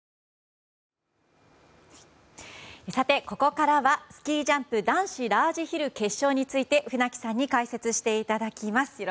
ここからはスキージャンプ男子ラージヒルケーブルについて船木さんに解説していただきます。